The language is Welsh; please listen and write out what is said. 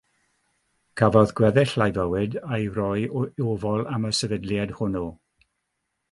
Cafodd gweddill ei fywyd ei roi i ofal am y sefydliad hwnnw.